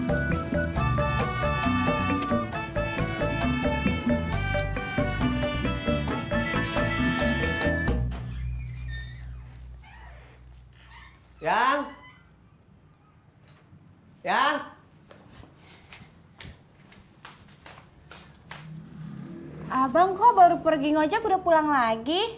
abang kok baru pergi ngejek udah pulang lagi